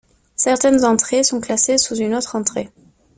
Certaines entrées sont classées sous une autre entrée.